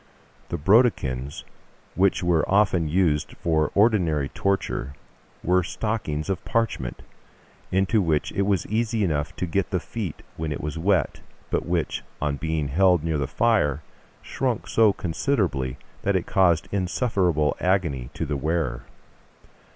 The brodequins which were often used for ordinary torture were stockings of parchment, into which it was easy enough to get the feet when it was wet, but which, on being held near the fire, shrunk so considerably that it caused insufferable agony to the wearer.